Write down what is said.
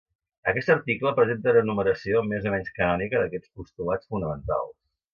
Aquest article presenta una enumeració més o menys canònica d'aquests postulats fonamentals.